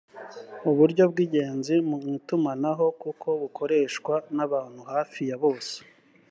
uburyo bw ingenzi mu itumanaho kuko bukoreshwa n abantu hafi ya bose